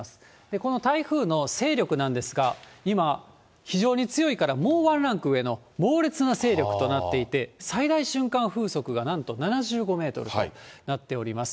この台風の勢力なんですが、今、非常に強いからもう１ランク上の猛烈な勢力となっていて、最大瞬間風速がなんと７５メートルとなっております。